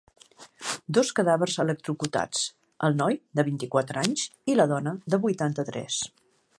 Dos cadàvers electrocutats; el noi, de vint-i-quatre anys i la dona, de vuitanta-tres.